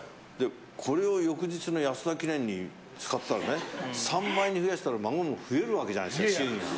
これを翌日の安田記念に使ったら３倍に増やしたら孫も増えるわけじゃないですか祝儀が。